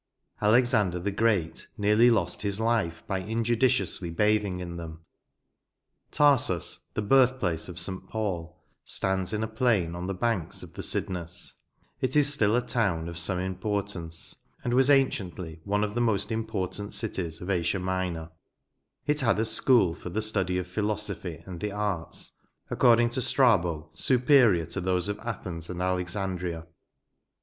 Alexander the Great nearly lost his life by injudiciously bathing in them. Tarsus, the birth place of St. Paul, stands in a plain on the banks of the Cydnus ; it is still a town of some importance, and was, anciently, one of the most important cities of Asia Minor ; it had a school for the study of philosophy and the arts, according to Strabo, superior to those of Athens and Alexandria.